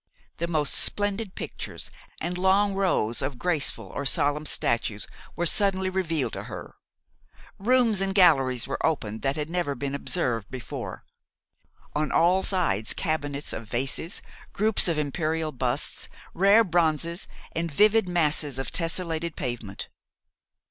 The most splendid pictures and long rows of graceful or solemn statues were suddenly revealed to her; rooms and galleries were opened that had never been observed before; on all sides cabinets of vases, groups of imperial busts, rare bronzes, and vivid masses of tesselated pavement.